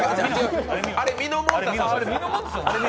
あれ、みのもんたさん。